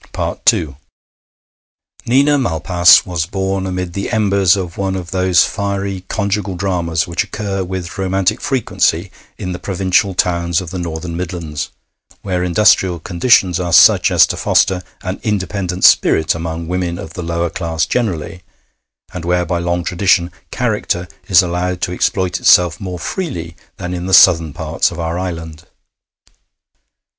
II Nina Malpas was born amid the embers of one of those fiery conjugal dramas which occur with romantic frequency in the provincial towns of the northern Midlands, where industrial conditions are such as to foster an independent spirit among women of the lower class generally, and where by long tradition 'character' is allowed to exploit itself more freely than in the southern parts of our island.